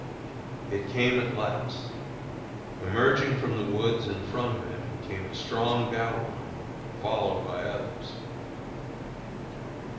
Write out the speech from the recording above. It came at last. Emerging from the woods in front of him came a strong battle line followed by others.